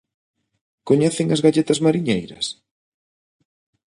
Coñecen as galletas mariñeiras?